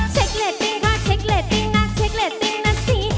เชคเลตติ้งค่ะเชคเลตติ้งนะเชคเลตติ้งนะสิ